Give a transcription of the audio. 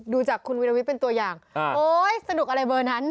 ดูจากคุณวิรวิทย์เป็นตัวอย่างโอ๊ยสนุกอะไรเบอร์นั้น